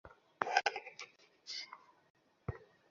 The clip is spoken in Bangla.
বিশ্বাস ও দৃঢ়তার সহিত লেগে থাক।